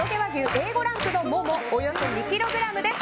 Ａ５ランクのももおよそ２ｋｇです。